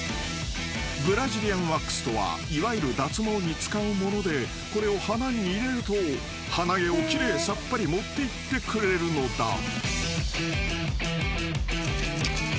［ブラジリアンワックスとはいわゆる脱毛に使うものでこれを鼻に入れると鼻毛を奇麗さっぱり持っていってくれるのだ］